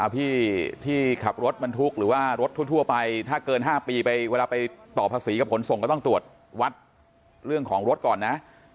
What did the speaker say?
พี่ที่ขับรถบรรทุกหรือว่ารถทั่วไปถ้าเกิน๕ปีไปเวลาไปต่อภาษีกับขนส่งก็ต้องตรวจวัดเรื่องของรถก่อนนะ